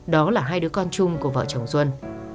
đó là hai đứa con chung của vợ chồng xuân